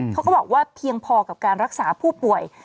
เขาก็บอกว่าเพียงพอกับการรักษาผู้ป่วย